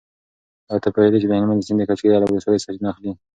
ایا ته پوهېږې چې د هلمند سیند د کجکي له ولسوالۍ سرچینه اخلي؟